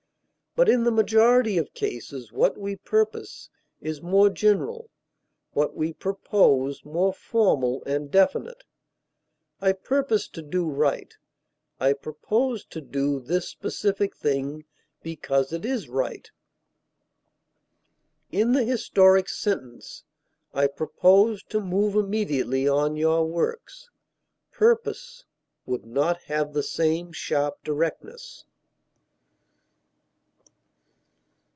But in the majority of cases what we purpose is more general, what we propose more formal and definite; I purpose to do right; I propose to do this specific thing because it is right. In the historic sentence, "I propose to move immediately on your works," purpose would not have the same sharp directness.